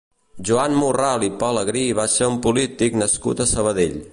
Joan Morral i Pelegrí va ser un polític nascut a Sabadell.